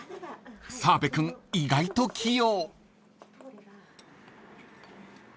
［澤部君意外と器用］